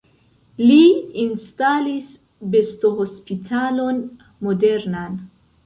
Li instalis bestohospitalon modernan.